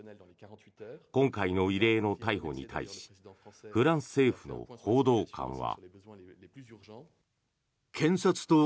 今回の異例の逮捕に対しフランス政府の報道官は。